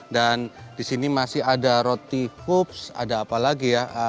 dan disini masih ada roti hoops ada apa lagi